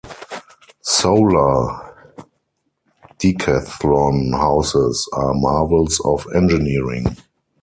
Solar Decathlon houses are marvels of engineering.